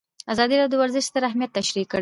ازادي راډیو د ورزش ستر اهميت تشریح کړی.